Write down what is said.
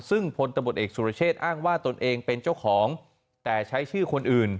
ซึ่งพลตำรวจเอกสุรเชษฐ์อ้างว่าตนเองเป็นเจ้าของแต่ใช้ชื่อคนอื่น